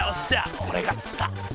俺が釣った！